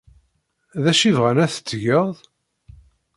D acu i bɣan ad t-tgeḍ?